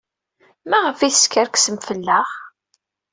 Maɣef ay teskerksemt fell-aɣ?